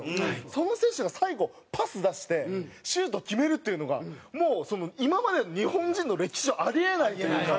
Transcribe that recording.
その選手が最後パス出してシュート決めるっていうのがもう今までの日本人の歴史上あり得ないというか。